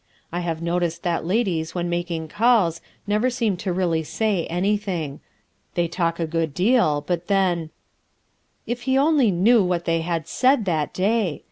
I have noticed that ladies when making calls never seem to really say anything. They talk a good deal, but then !—" If he only knew what they had said that day!